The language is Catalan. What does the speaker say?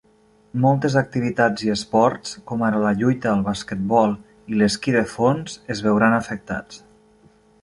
Moltes activitats i esports, com ara la lluita, el basquetbol i l'esquí de fons, es veuran afectats.